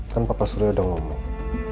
kan papa suri udah ngomong